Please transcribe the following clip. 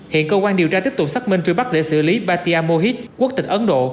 hiện cơ quan điều tra tiếp tục xác minh truy bắt để xử lý batia mohit quốc tịch ấn độ